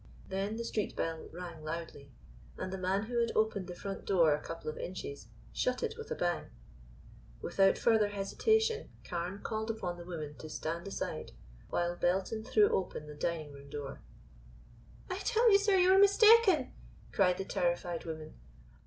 Then the street bell rang loudly, and the man who had opened the front door a couple of inches shut it with a bang. Without further hesitation Carne called upon the woman to stand aside, while Belton threw open the dining room door. "I tell you, sir, you are mistaken," cried the terrified woman.